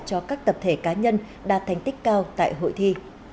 cho các tập thể cá nhân đạt thành tích cao tại hội thi